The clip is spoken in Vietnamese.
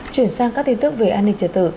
chuyển sang các tin tức về an ninh trẻ tử